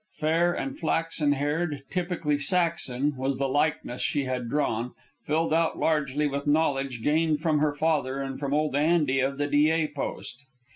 Fair and flaxen haired, typically Saxon, was the likeness she had drawn, filled out largely with knowledge gained from her father and from old Andy of the Dyea Post.